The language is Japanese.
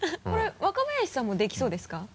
これ若林さんもできそうですか？